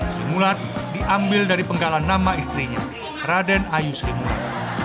sri mulat diambil dari penggalan nama istrinya raden ayu sri mulat